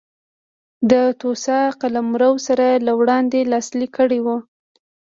د توسا قلمرو سره له وړاندې لاسلیک کړی و.